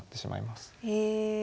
へえ。